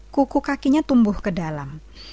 kuku kakinya tumbuh ke dalam